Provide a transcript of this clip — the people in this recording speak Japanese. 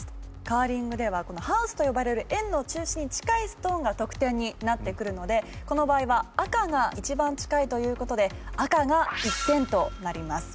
カーリングではこのハウスと呼ばれる円の中心に近いストーンが得点になってくるのでこの場合は赤が一番近いという事で赤が１点となります。